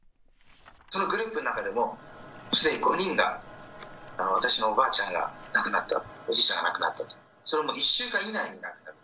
そのグループの中でも、すでに５人が、私のおばあちゃんが亡くなった、おじいちゃんが亡くなった、それも１週間以内に亡くなった。